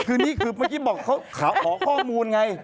คือนี่แม่งคือเมื่อกี้บอกขอข้อมูลไง